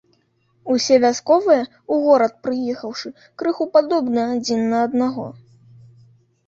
Усе вясковыя, у горад прыехаўшы, крыху падобны адзін на аднаго.